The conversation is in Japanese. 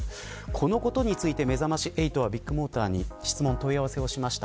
このことについてめざまし８はビッグモーターに問い合わせをしました。